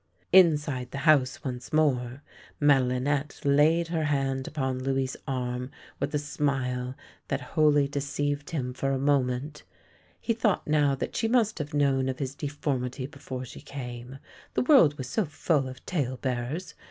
Inside the house once more, Madelinette laid her hand upon Louis' arm with a smile that wholly de 12 THE LANE THAT HAD NO TURNING ceived him for a moment. He thought now that she must have known of his deformity before she came — the world was so full of tale bearers!